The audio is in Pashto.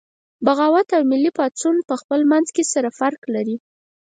بغاوت او ملي پاڅون پخپل منځ کې سره فرق لري